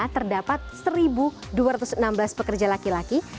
terdapat satu dua ratus enam belas pekerja laki laki